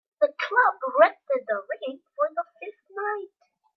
The club rented the rink for the fifth night.